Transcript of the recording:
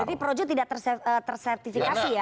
jadi projo tidak tersertifikasi ya